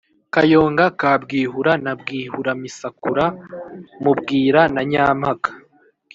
Kayonga ka Bwihura na Bwihuramisakura mu Bwira na Nyampaka,